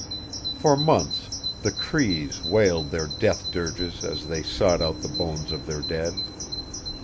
For months the Crees wailed their death dirges as they sought out the bones of their dead.